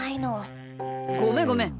ごめんごめん。